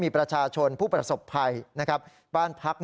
มีความรู้สึกว่าเกิดอะไรขึ้น